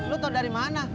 lu tau dari mana